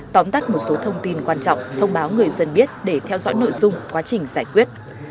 tóm tắt một số thông tin quan trọng thông báo người dân biết để theo dõi nội dung quá trình giải quyết